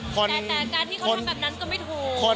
แต่การที่เขาทำแบบนั้นก็ไม่ถูก